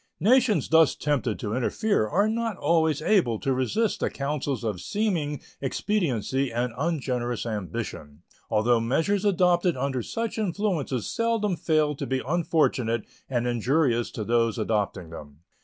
Nations thus tempted to interfere are not always able to resist the counsels of seeming expediency and ungenerous ambition, although measures adopted under such influences seldom fail to be unfortunate and injurious to those adopting them.